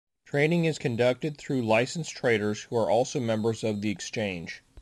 Trading is conducted through licensed traders who are also members of the Exchange.